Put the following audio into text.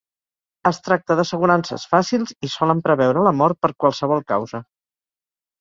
Es tracta d'assegurances fàcils i solen preveure la mort per qualsevol causa.